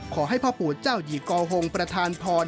พ่อปู่เจ้าหยี่กอฮงประธานพร